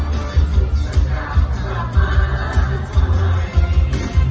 ถึงสุดสักการณ์กลับมาทำไม